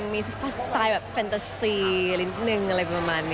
มีสไตล์แบบแฟนตาซีอะไรประมาณนี้